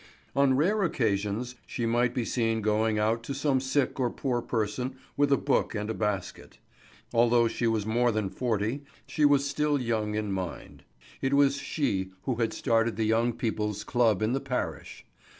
On rare occasions she might be seen going out to some sick or poor person with a book and a basket. Although she was more than forty, she was still young in mind; it was she who had started the young people's club in the parish.